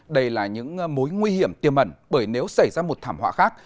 đây là những mối nguy hiểm tiềm mẩn bởi nếu xảy ra một thảm họa khác